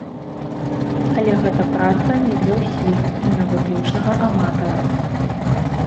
Але гэта праца не для ўсіх і на выключнага аматара.